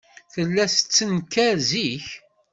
Tella tettenkar zik.